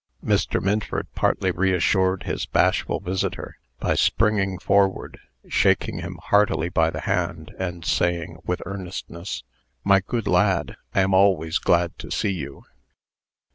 Mr. Minford partly reassured his bashful visitor, by springing forward, shaking him heartily by the hand, and saying, with earnestness, "My good lad, I am always glad to see you."